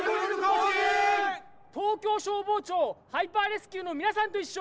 東京消防庁ハイパーレスキューのみなさんといっしょ。